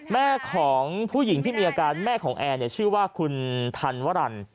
แม่ของผู้หญิงที่มีอาการแม่ของแอร์ชื่อว่าคุณธันวรรณ